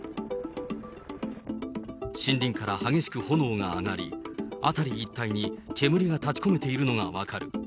森林から激しく炎が上がり、辺り一帯に煙が立ち込めているのが分かる。